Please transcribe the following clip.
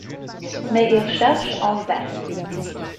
Mais ils le cherchaient en vain.